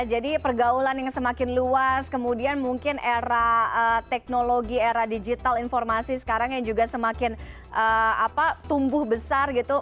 jadi pergaulan yang semakin luas kemudian mungkin era teknologi era digital informasi sekarang yang juga semakin tumbuh besar gitu